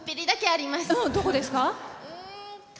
どこですか？